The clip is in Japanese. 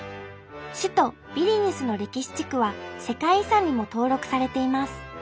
首都ビリニュスの歴史地区は世界遺産にも登録されています。